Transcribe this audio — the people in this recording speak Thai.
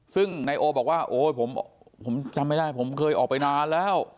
ซึ่งนายโอบอกว่าโอ๊ยผมจำไม่ได้ผมเคยออกไปนานแล้ว